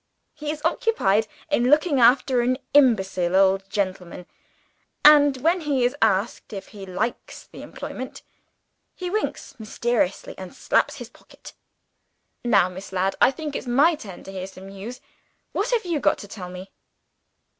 He is occupied in looking after an imbecile old gentleman; and, when he is asked if he likes the employment, he winks mysteriously and slaps his pocket. Now, Miss Ladd, I think it's my turn to hear some news. What have you got to tell me?"